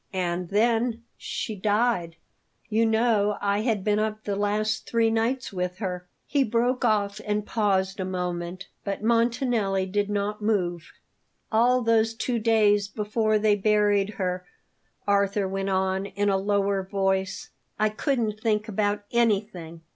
"And then she died. You know, I had been up the last three nights with her " He broke off and paused a moment, but Montanelli did not move. "All those two days before they buried her," Arthur went on in a lower voice, "I couldn't think about anything.